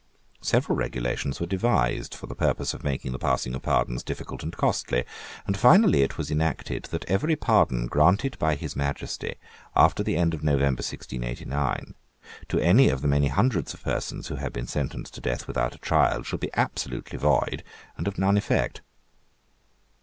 Several regulations were devised for the purpose of making the passing of pardons difficult and costly: and finally it was enacted that every pardon granted by his Majesty, after the end of November 1689, to any of the many hundreds of persons who had been sentenced to death without a trial, should be absolutely void and of none effect.